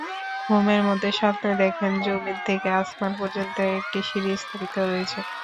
ঘুমের মধ্যে স্বপ্নে দেখেন, যমীন থেকে আসমান পর্যন্ত একটি সিঁড়ি স্থাপিত রয়েছে।